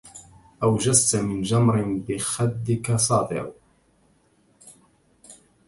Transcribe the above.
أوجست من جمر بخدك ساطع